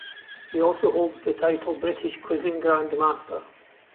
He also holds the title "British Quizzing Grandmaster".